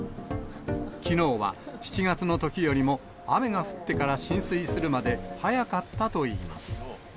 きのうは７月のときよりも、雨が降ってから浸水するまで早かったといいます。